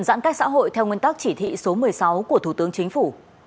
giãn cách xã hội theo nguyên tắc chỉ thị số một mươi sáu của thủ tướng chính phủ